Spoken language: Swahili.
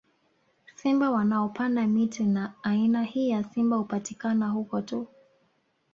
Simba wanaopanda miti na aina hii ya simba hupatikana huko tu